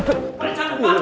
pak jangan pak